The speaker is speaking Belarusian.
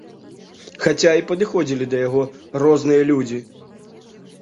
Хаця і падыходзілі да яго розныя людзі.